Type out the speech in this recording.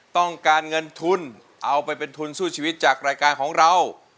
ต้องการเงินทุนเอาไปเป็นทุนสู้ชีวิตจากรายการของเรา